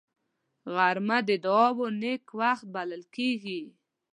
غرمه د دعاو نېک وخت بلل کېږي